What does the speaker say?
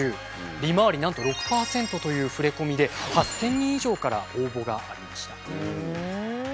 利回りなんと６％という触れ込みで８，０００人以上から応募がありました。